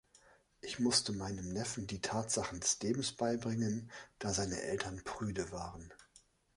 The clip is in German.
Ich musste meinem Neffen die Tatsachen des Lebens beibringen, da seine Eltern prüde waren.